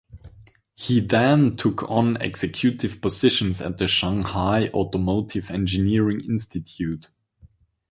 He then took on executive positions at the Shanghai Automotive Engineering Institute.